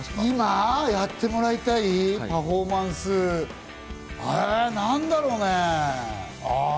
今やってもらいたいパフォーマンス、なんだろうね。